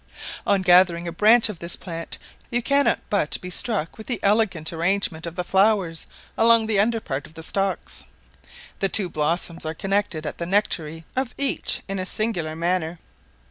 On gathering a branch of this plant, you cannot but be struck with the elegant arrangement of the flowers along the under part of the stalks. The two blossoms are connected at the nectary of each in a singular manner.